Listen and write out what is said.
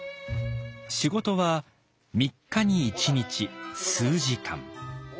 仕事は三日に一日数時間。